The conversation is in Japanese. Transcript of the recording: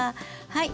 はい。